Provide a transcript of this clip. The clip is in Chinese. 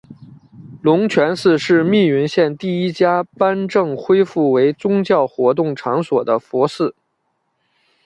龙泉寺是密云县第一家颁证恢复为宗教活动场所的佛寺。